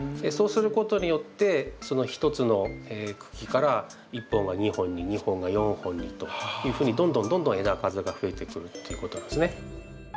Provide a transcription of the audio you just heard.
そうすることによってその１つの茎から１本が２本に２本が４本にというふうにどんどんどんどん枝数が増えてくるっていうことなんですね。